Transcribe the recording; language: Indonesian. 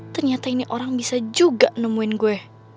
ternyata ini orang bisa juga nemuin gue